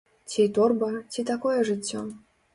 Ці торба, ці такое жыццё.